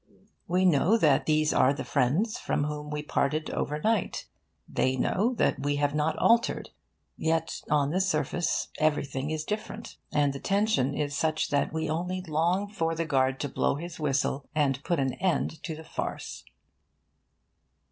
We know that these are the friends from whom we parted overnight. They know that we have not altered. Yet, on the surface, everything is different; and the tension is such that we only long for the guard to blow his whistle and put an end to the farce.